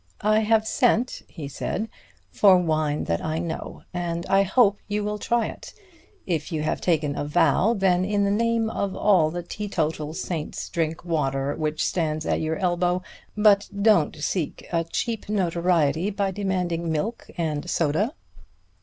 "I have sent," he said, "for wine that I know, and I hope you will try it. If you have taken a vow, then in the name of all the teetotal saints drink water, which stands at your elbow, but don't seek a cheap notoriety by demanding milk and soda."